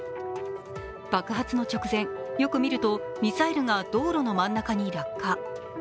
爆発の直前、よく見るとミサイルが道路の真ん中に落下。